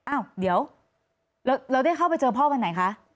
อ้าวเดี๋ยวเราได้เข้าไปเจอพ่อวันไหนคะ